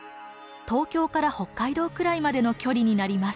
東京から北海道くらいまでの距離になります。